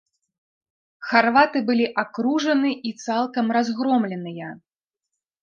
Харваты былі акружаны і цалкам разгромленыя.